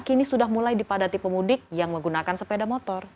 kini sudah mulai dipadati pemudik yang menggunakan sepeda motor